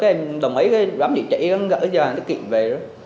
em đồng ý cái đám dị trị gửi cho anh cái kiện về đó